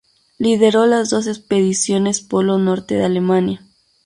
Lideró las dos Expediciones Polo Norte de Alemania.